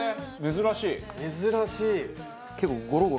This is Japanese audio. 珍しい。